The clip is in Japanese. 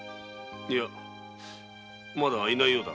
いやまだいないようだ。